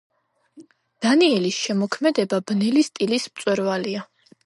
დანიელის შემოქმედება „ბნელი სტილის“ მწვერვალია.